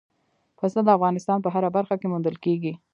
پسه د افغانستان په هره برخه کې موندل کېږي.